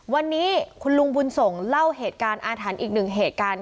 วันนี้คุณลุงบุญสงฆ์เล่าอาถรรพ์อีกหนึ่งเหตุการณ์